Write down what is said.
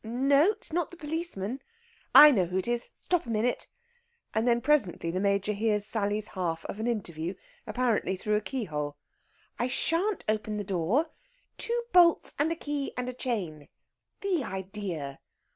No, it's not the policeman. I know who it is. Stop a minute." And then presently the Major hears Sally's half of an interview, apparently through a keyhole. "I shan't open the door ... two bolts and a key and a chain the idea!